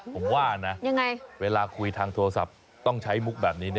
ผมว่านะเวลาคุยทางโทรศัพท์ต้องใช้มุกแบบนี้